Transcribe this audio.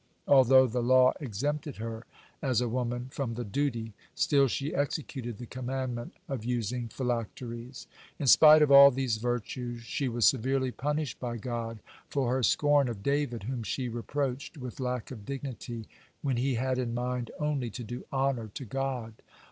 Although the law exempted her, as a woman, from the duty, still she executed the commandment of using phylacteries. (134) In spite of all these virtues, she was severely punished by God for her scorn of David, whom she reproached with lack of dignity, when he had in mind only to do honor to God.